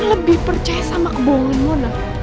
dan lebih percaya sama kebohongan mona